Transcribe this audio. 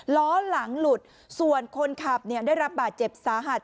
ล้อหลังหลุดส่วนคนขับได้รับบาดเจ็บสาหัส